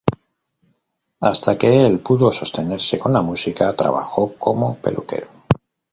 Hasta que el pudo sostenerse con la música, trabajó como peluquero.